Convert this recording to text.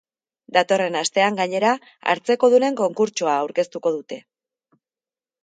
Datorren astean, gainera, hartzekodunen konkurtsoa aurkeztuko dute.